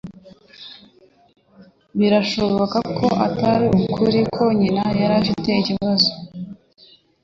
Birashoboka ko atari ukuri ko nyina yari afite ikibazo.